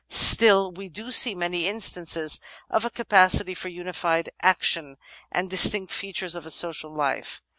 Still, we do see many instances of a capacity for unified action and distinct features of a social life.